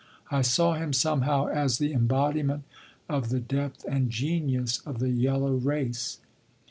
I saw him somehow as the embodiment of the depth and genius of the yellow race.